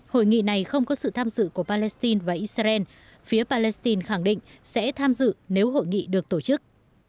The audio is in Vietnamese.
hội nghị này không có sự tham dự của palestine và israel phía palestine khẳng định sẽ tham dự nếu hội nghị được tổ chức